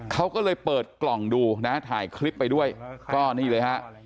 เขาก็เลยเปิดกล่องดูนะถ่ายคลิปไปด้วยก็นี่เลยฮะ